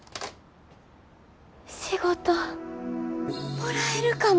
仕事もらえるかも。